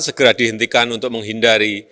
segera dihentikan untuk menghindari